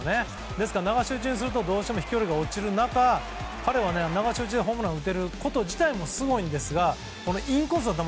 ですから流し打ちにするとどうしても飛距離が落ちる中彼は流し打ちでホームランを打てること自体すごいんですがインコースの球